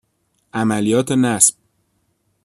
عملیات نصب